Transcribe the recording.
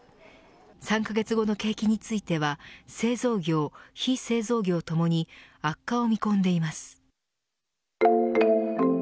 ３カ月後の景気については製造業、非製造業ともに悪化を見込んでいます。